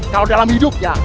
kalau dalam hidupnya